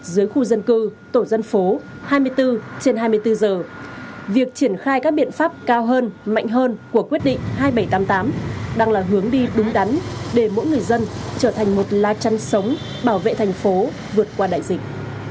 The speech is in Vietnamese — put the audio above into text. một mươi bốn việc triển khai các biện pháp cao hơn mạnh hơn của quyết định hai nghìn bảy trăm tám mươi tám đang là hướng đi đúng đắn để mỗi người dân trở thành một la chăn sống bảo vệ thành phố vượt qua đại dịch